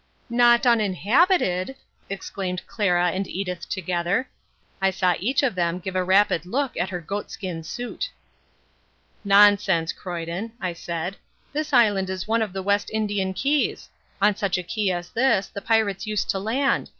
"Not uninhabited!" exclaimed Clara and Edith together. I saw each of them give a rapid look at her goatskin suit. "Nonsense, Croyden," I said, "this island is one of the West Indian keys. On such a key as this the pirates used to land.